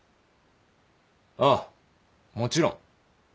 ああもちろん。